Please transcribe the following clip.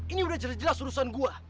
ini udah jelas jelas urusan gua